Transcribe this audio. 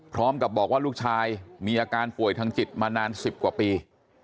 พร้อมกับบอกว่าลูกชายมีอาการป่วยทางจิตมานาน๑๐กว่าปี